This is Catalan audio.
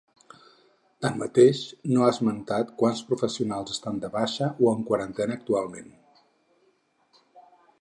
Tanmateix, no ha esmentat quants professionals estan de baixa o en quarantena actualment.